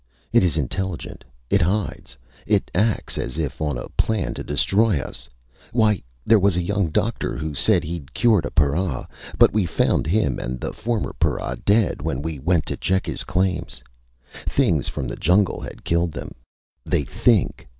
It is intelligent! It hides! It acts as if on a plan to destroy us! Why ... there was a young doctor who said he'd cured a para! But we found him and the former para dead when we went to check his claim! Things from the jungle had killed them! They think!